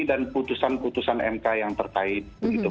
putusan putusan mk yang terkait